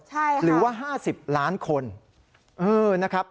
ใช่ค่ะหรือว่า๕๐ล้านคนนะครับ